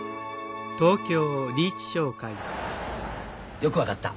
よく分かった。